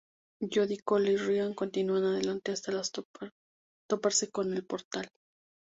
Jodie, Cole y Ryan continúan adelante hasta toparse con el portal.